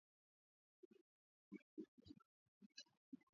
Kulikuwa na ongezeko la bei ya mafuta katika vituo vya kuuzia